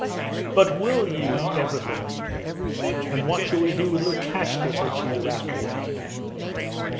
'But will you? Everything...' 'And what shall we do with Lukashka?' said she, laughing.